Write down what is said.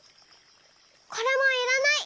これもいらない。